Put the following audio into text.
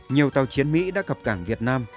nhiều tàu chiến mỹ đã cập cảng việt nam